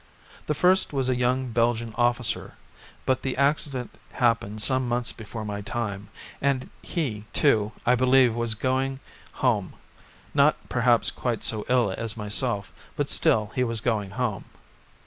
The first was a young Belgian officer, but the accident happened some months before my time, and he, too, I believe, was going home; not perhaps quite so ill as myself but still he was going home.